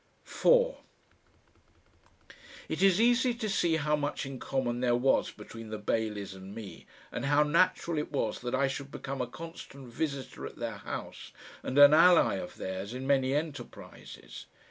4 It is easy to see how much in common there was between the Baileys and me, and how natural it was that I should become a constant visitor at their house and an ally of theirs in many enterprises.